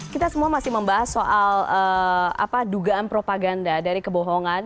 kita semua masih membahas soal dugaan propaganda dari kebohongan